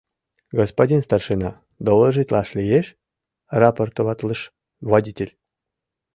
— Господин старшина, доложитлаш лиеш? — рапортоватлыш водитель.